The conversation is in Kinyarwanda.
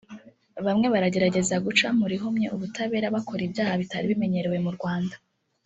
bamwe baragerageza guca mu rihumye ubutabera bakora ibyaha bitari bimenyerewe mu Rwanda